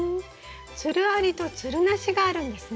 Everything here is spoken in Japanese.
つるありとつるなしがあるんですね。